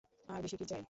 আর বেশি কী চাই?